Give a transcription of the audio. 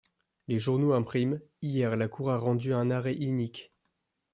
Les journaux impriment: « Hier, la cour a rendu un arrêt inique.